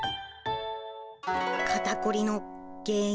肩凝りの原因